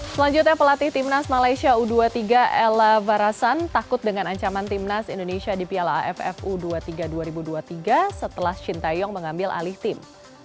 selanjutnya pelatih timnas malaysia u dua puluh tiga ella barasan takut dengan ancaman timnas indonesia di piala aff u dua puluh tiga dua ribu dua puluh tiga setelah shin taeyong mengambil alih tim